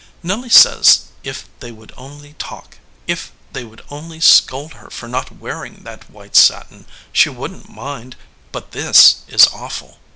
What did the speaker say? Nelly says if they would only talk; if they would only scold her for not wearing that white satin, she wouldn t mind, but this is awful."